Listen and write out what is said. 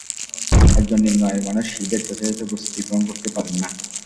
একজন নিম্ন আয়ের মানুষ ঈদের যথাযথ প্রস্তুতি গ্রহণ করতে পারেন না।